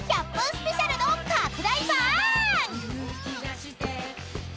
スペシャルの拡大版！］